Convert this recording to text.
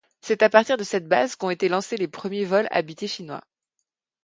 C'est à partir de cette base qu'ont été lancés les premiers vols habités chinois.